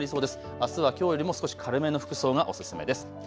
あすはきょうよりも少し軽めの服装がおすすめです。